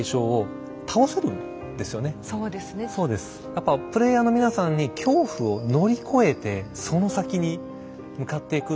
やっぱプレイヤーの皆さんに恐怖を乗り越えてその先に向かっていく。